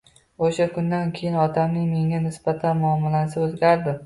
O'sha kundan keyin otamning menga nisbatan muomalasi o'zgardi.